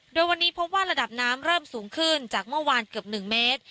โดยวันนี้พบว่าระดับน้ำเริ่มสูงขึ้นจากเมื่อวานเกือบ๑เมตร